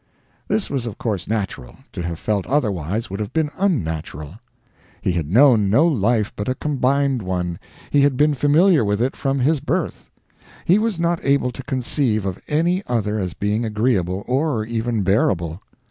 This was of course natural; to have felt otherwise would have been unnatural. He had known no life but a combined one; he had been familiar with it from his birth; he was not able to conceive of any other as being agreeable, or even bearable.